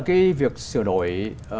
cái việc sửa đổi